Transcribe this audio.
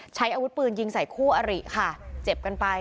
ใช้อาวุธปืนยิงใส่คู่อริค่ะเจ็บกันไป